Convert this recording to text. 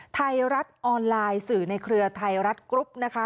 ไทยรัฐออนไลน์สื่อในเครือไทยรัฐกรุ๊ปนะคะ